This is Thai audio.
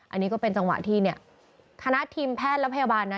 อันนี้ก็เป็นจังหวะที่เนี่ยคณะทีมแพทย์และพยาบาลนะ